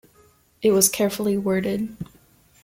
It was carefully worded.